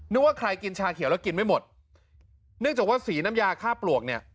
ว่าใครกินชาเขียวแล้วกินไม่หมดเนื่องจากว่าสีน้ำยาค่าปลวกเนี่ย